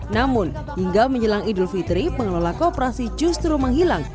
namun hingga menjelang idul fitri pengelola kooperasi justru menghilang